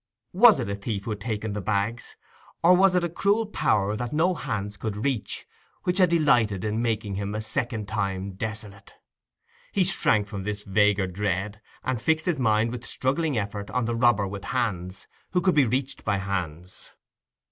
Was it a thief who had taken the bags? or was it a cruel power that no hands could reach, which had delighted in making him a second time desolate? He shrank from this vaguer dread, and fixed his mind with struggling effort on the robber with hands, who could be reached by hands.